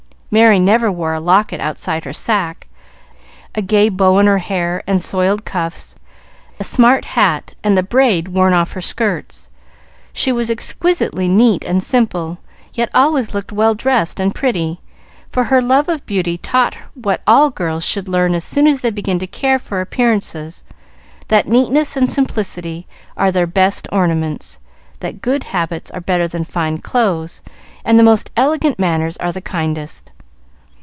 Merry never wore a locket outside her sack, a gay bow in her hair and soiled cuffs, a smart hat and the braid worn off her skirts. She was exquisitely neat and simple, yet always looked well dressed and pretty; for her love of beauty taught her what all girls should learn as soon as they begin to care for appearances that neatness and simplicity are their best ornaments, that good habits are better than fine clothes, and the most elegant manners are the kindest.